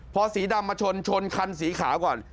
พอสีดำมาชนชนคันสีขาวก่อน